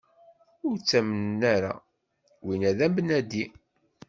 Ur t-ttamen ara, winna d abnadi!